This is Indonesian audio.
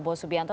bagi mas syarwi